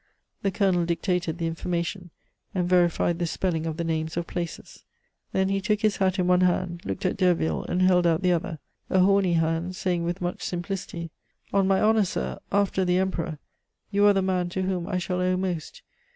The Colonel dictated the information, and verified the spelling of the names of places; then he took his hat in one hand, looked at Derville, and held out the other a horny hand, saying with much simplicity: "On my honor, sir, after the Emperor, you are the man to whom I shall owe most.